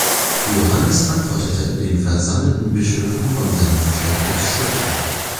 Johannes antwortete den versammelten Bischöfen von seinem Versteck aus schriftlich.